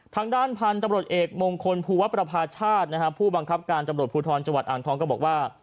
ทางด้านพันธุ์ตำรวจเอกมงคลภูวะประพาชาติผู้บังคับการตำรวจภูทรจังหวัดอ่างทองก็บอกว่า